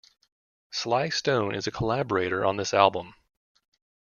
Sly Stone is a collaborator on this album.